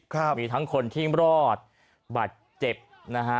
ครับมีทั้งคนที่รอดบาดเจ็บนะฮะ